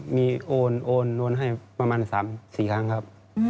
มีโอนโอนให้ประมาณ๓๔ครั้งครับ